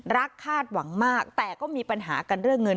คาดหวังมากแต่ก็มีปัญหากันเรื่องเงิน